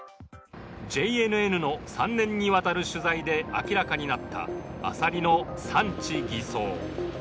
ＪＮＮの３年にわたる取材で明らかになったあさりの産地偽装。